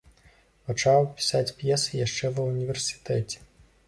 Пачаў пісаць п'есы яшчэ ва ўніверсітэце.